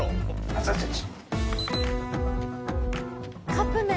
カップ麺！